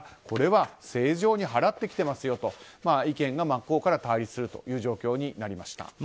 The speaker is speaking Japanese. これは正常に払ってきてますよと意見が真っ向から対立するという状況になりました。